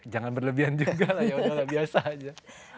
jangan berlebihan juga lah ya udahlah biasa aja